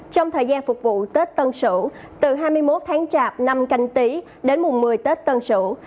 trong thời gian phục vụ tết tân sửu từ hai mươi một tháng trạp năm canh tí đến mùa một mươi tết tân sửu